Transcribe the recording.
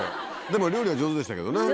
でも料理は上手でしたけどね。